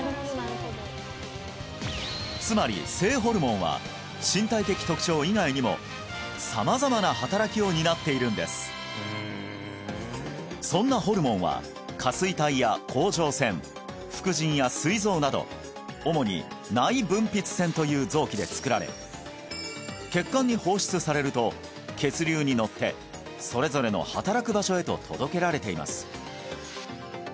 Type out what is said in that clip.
つまり性ホルモンは身体的特徴以外にも様々な働きを担っているんですそんなホルモンは下垂体や甲状腺副腎やすい臓など主に内分泌腺という臓器で作られ血管に放出されると血流にのってそれぞれの働く場所へと届けられています